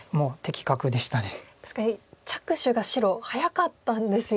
確かに着手が白早かったんですよね。